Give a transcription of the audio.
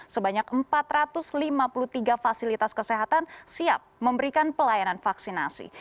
sebanyak empat ratus lima puluh tiga fasilitas kesehatan siap memberikan pelayanan vaksinasi